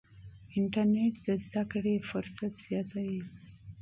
انټرنیټ د زده کړې چانس زیاتوي.